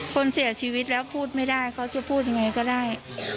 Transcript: คนเสียชีวิตแล้วพูดไม่ได้เขาจะพูดยังไงก็ได้